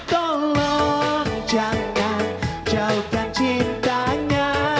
tolong jangan jauhkan cintanya